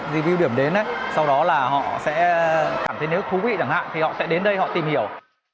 deview điểm đến sau đó là họ sẽ cảm thấy nếu thú vị chẳng hạn thì họ sẽ đến đây họ tìm hiểu